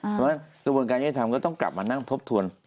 เพราะฉะนั้นกระบวนการยุติธรรมก็ต้องกลับมานั่งทบทวน